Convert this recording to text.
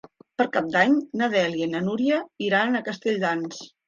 Per Cap d'Any na Dèlia i na Núria iran a Castelldans.